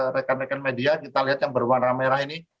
rekan rekan media kita lihat yang berwarna merah ini